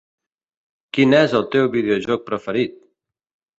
Quin és el teu videojoc preferit?